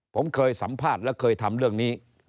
ผมเคยสัมภาษณ์และเคยทำเรื่องนี้